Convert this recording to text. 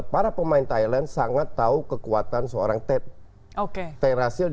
para pemain thailand sangat tahu kekuatan seorang terasil